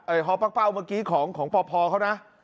เอ่อฮอปั๊กเป้าเมื่อกี้ของปอปฮอล์เขานะ